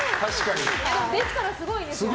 でも、できたらすごいですね。